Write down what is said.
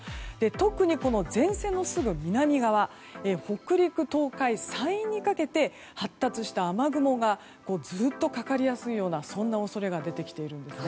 特に前線のすぐ南側北陸・東海、山陰にかけて発達した雨雲がずっとかかりやすいような恐れが出てきているんです。